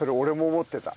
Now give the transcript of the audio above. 思ってた。